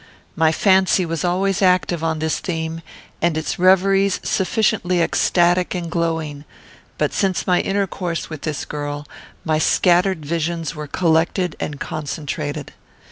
My fancy was always active on this theme, and its reveries sufficiently ecstatic and glowing; but, since my intercourse with this girl, my scattered visions were collected and concentrated.